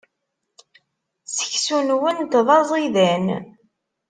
Seksu-nwent d aẓidan.